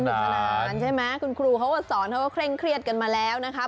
สนานใช่ไหมคุณครูเขาก็สอนเขาก็เคร่งเครียดกันมาแล้วนะคะ